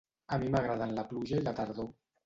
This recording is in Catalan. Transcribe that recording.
A mi m'agraden la pluja i la tardor.